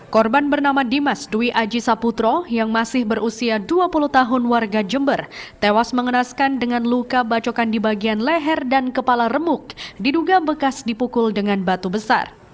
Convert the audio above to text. korban bernama dimas dwi aji saputro yang masih berusia dua puluh tahun warga jember tewas mengenaskan dengan luka bacokan di bagian leher dan kepala remuk diduga bekas dipukul dengan batu besar